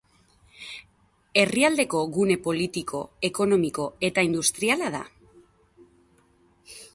Herrialdeko gune politiko, ekonomiko eta industriala da.